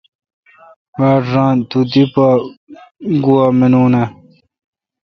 باڑ ران تو دی پا گوا مانون اؘ۔